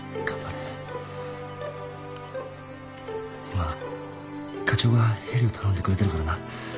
今課長がヘリを頼んでくれてるからな。